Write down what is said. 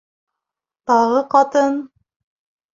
Тағы ҡатын!..